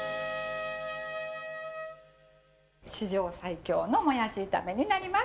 史上最強のもやし炒めになります！